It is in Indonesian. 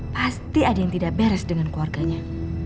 pasti ada yang tidak beres dengan keluarganya